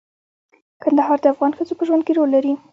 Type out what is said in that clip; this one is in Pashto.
کندهار د افغان ښځو په ژوند کې رول لري.